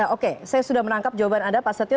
oke saya sudah menangkap jawaban anda pak setio